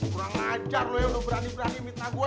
kurang ajar lu ya udah berani berani mitnah gue